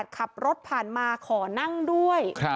ขับรถผ่านมาขอนั่งด้วย